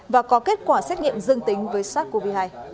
và có kết quả xét nghiệm dương tính với sars cov hai